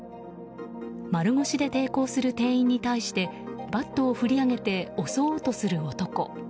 丸腰で抵抗する店員に対してバットを振り上げて襲おうとする男。